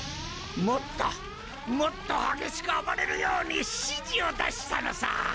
もっともっと激しく暴れるように指示を出したのさ。